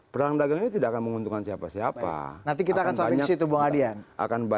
perang dagang ini tidak akan menguntungkan siapa siapa